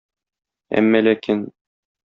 Әмма ләкин...